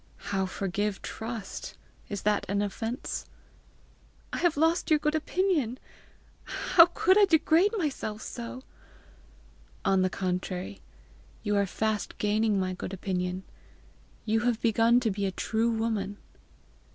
"How forgive trust? Is that an offence?" "I have lost your good opinion! How could I degrade myself so!" "On the contrary, you are fast gaining my good opinion. You have begun to be a true woman!"